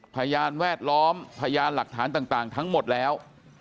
พยานแวดล้อมพยานหลักฐานต่างทั้งหมดแล้ว